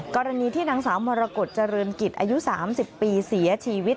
กรณีที่นางสาวมรกฏเจริญกิจอายุ๓๐ปีเสียชีวิต